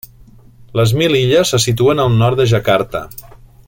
Les Mil Illes se situen al nord de Jakarta.